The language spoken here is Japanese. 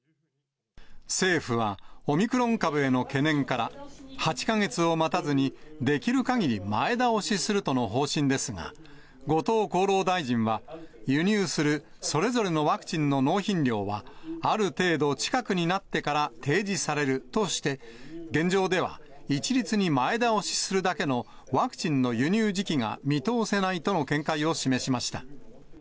政府は、オミクロン株への懸念から、８か月を待たずにできるかぎり前倒しするとの方針ですが、後藤厚労大臣は、輸入するそれぞれのワクチンの納品量は、ある程度近くになってから提示されるとして、現状では一律に前倒しするだけのワクチンの輸入時期が見通せないとの見解を示しました。